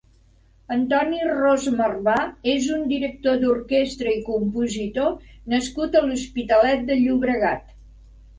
Antoni Ros-Marbà és un director d'orquestra i compositor nascut a l'Hospitalet de Llobregat.